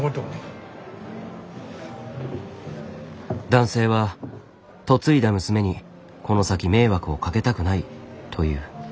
男性は「嫁いだ娘にこの先迷惑をかけたくない」という。